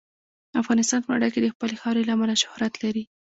افغانستان په نړۍ کې د خپلې خاورې له امله شهرت لري.